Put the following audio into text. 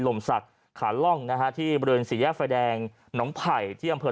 ลมศักดิ์ขาล่องนะฮะที่บริเวณสี่แยกไฟแดงหนองไผ่ที่อำเภอ